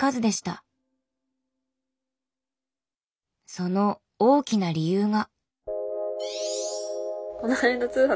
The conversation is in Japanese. その大きな理由が。